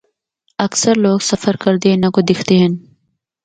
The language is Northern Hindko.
اکثر لوگ سفر کردیاں اِناں کو دکھدے ہن۔